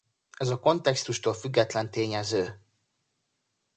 Ez a kontextustól független tényező.